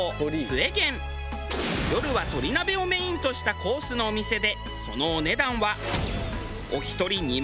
夜は鳥鍋をメインとしたコースのお店でそのお値段は。